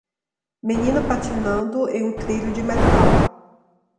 Menino patinando em um trilho de metal.